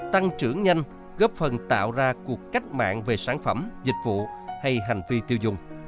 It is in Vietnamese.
tăng trưởng nhanh góp phần tạo ra cuộc cách mạng về sản phẩm dịch vụ hay hành vi tiêu dùng